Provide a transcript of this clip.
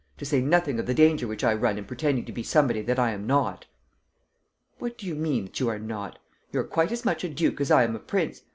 to say nothing of the danger which I run in pretending to be somebody that I am not." "What do you mean ... that you are not? You're quite as much a duke as I am a prince